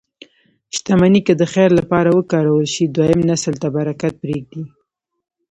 شتمني که د خیر لپاره وکارول شي، دویم نسل ته برکت پرېږدي.